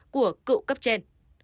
của cựu cấp trên